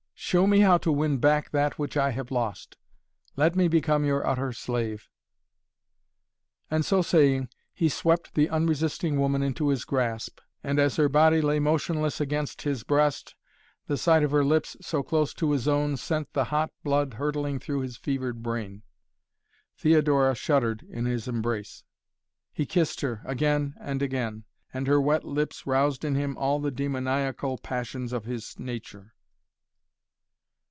Show me how to win back that which I have lost! Let me become your utter slave." And, so saying, he swept the unresisting woman into his grasp, and as her body lay motionless against his breast the sight of her lips so close to his own sent the hot blood hurtling through his fevered brain. Theodora shuddered in his embrace. He kissed her, again and again, and her wet lips roused in him all the demoniacal passions of his nature.